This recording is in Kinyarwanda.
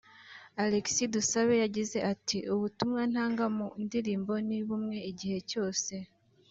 Alexis Dusabe yagize ati’’ Ubutumwa ntanga mu ndirimbo ni bumwe igihe cyose